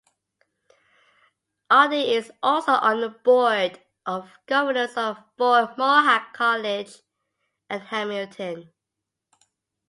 Oddie is also on the board of governors for Mohawk College in Hamilton.